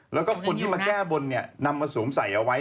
แล้วก็คนที่มาแก้บนเนี่ยนำมาสวมใส่เอาไว้